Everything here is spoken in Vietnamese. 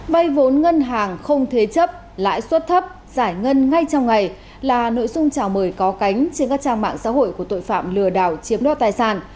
vay vốn ngân hàng không thế chấp lãi suất thấp giải ngân ngay trong ngày là nội dung chào mời có cánh trên các trang mạng xã hội của tội phạm lừa đảo chiếm đoạt tài sản